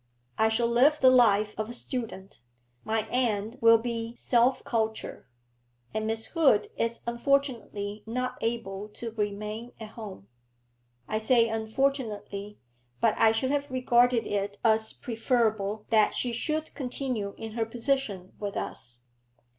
I shall live the life of a student, my end will be self culture. And Miss Hood is unfortunately not able to remain at home. I say unfortunately, but I should have regarded it as preferable that she should continue in her position with us.